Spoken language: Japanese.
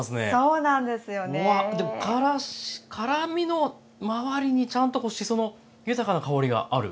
うわっでもからし辛みの周りにちゃんとこうしその豊かな香りがある。